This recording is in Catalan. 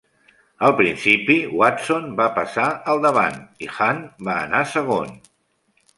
Al principi, Watson va passar al davant i Hunt va anar segon.